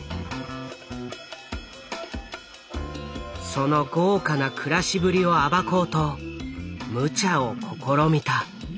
その豪華な暮らしぶりを暴こうとむちゃを試みた。